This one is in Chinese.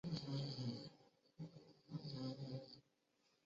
森尚子。